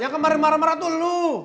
yang kemarin marah marah tuh lu